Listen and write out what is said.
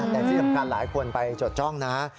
แต่ที่สำคัญหลายคนไปจดจ้องนะ